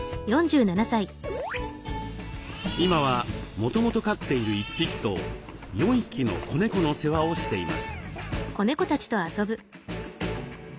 今はもともと飼っている１匹と４匹の子猫の世話をしています。